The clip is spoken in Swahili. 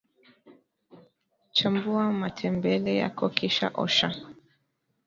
chambua matembele yako kisha osha